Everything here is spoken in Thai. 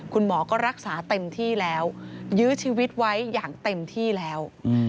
คุณหมอก็รักษาเต็มที่แล้วยื้อชีวิตไว้อย่างเต็มที่แล้ว